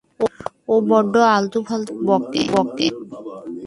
ও বড্ড আলতু-ফালতু বকে।